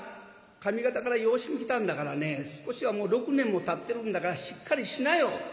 上方から養子に来たんだからね少しはもう６年もたってるんだからしっかりしなよ」。